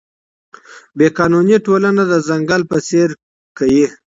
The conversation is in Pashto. بې قانوني ټولنه د ځنګل په څېر کوي.